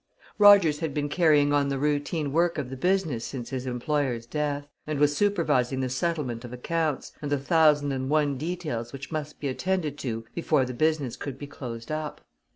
Rogers had been carrying on the routine work of the business since his employer's death, and was supervising the settlement of accounts, and the thousand and one details which must be attended to before the business could be closed up.